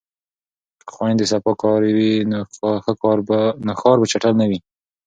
که خویندې صفاکارې وي نو ښار به چټل نه وي.